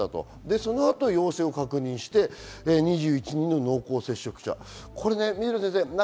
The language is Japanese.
そのあと陽性を確認して２１人の濃厚接触者。